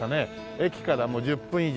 駅からもう１０分以上。